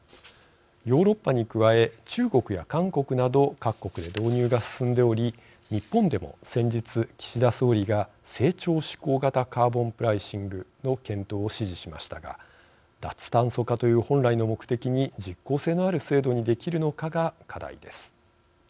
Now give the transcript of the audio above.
ヨーロッパに加え中国や韓国など各国で導入が進んでおり日本でも先日、岸田総理が成長指向型カーボンプライシングの検討を指示しましたが脱炭素化という本来の目的に実効性のある制度にできるのかが課題です。